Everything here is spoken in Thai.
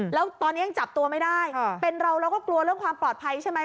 แล้วตอนนี้ยังจับตัวไม่ได้เป็นเราเราก็กลัวเรื่องความปลอดภัยใช่ไหม